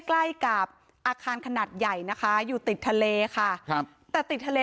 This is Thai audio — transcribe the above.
ใกล้กับอาคารขนาดใหญ่นะคะอยู่ติดทะเลค่ะครับแต่ติดทะเล